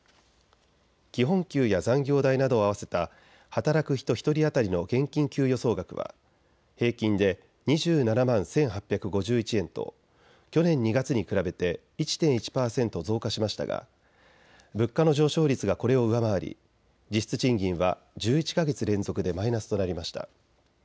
基本給や残業代などを合わせた働く人１人当たりの現金給与総額は平均で２７万１８５１円と去年２月に比べて１．１％増加しましたが物価の上昇率がこれを上回り実質賃金は１１か月連続でマイナスとなりました。